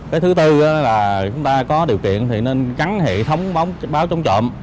cái thứ tư là chúng ta có điều kiện thì nên gắn hệ thống báo chống trộm